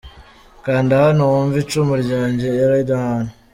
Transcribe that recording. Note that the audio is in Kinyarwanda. Kanda hano wumve ‘Icumu Ryanjye’ ya Riderman.